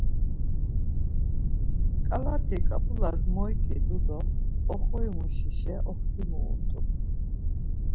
Ǩalati ǩap̌ulas moyǩidu do oxomuşişa oxtimu unt̆u.